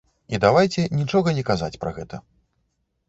І давайце нічога не казаць пра гэта.